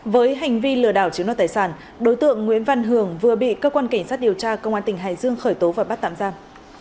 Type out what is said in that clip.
với hành vi lừa đảo chiếm đoạt tài sản đối tượng nguyễn văn hưởng vừa bị cơ quan cảnh sát điều tra công an tỉnh hải dương khởi tố và bắt tạm giam